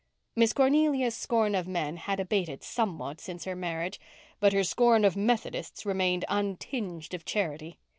Miss Cornelia's scorn of men had abated somewhat since her marriage, but her scorn of Methodists remained untinged of charity.